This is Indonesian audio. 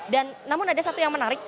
dan namun ada satu yang menarik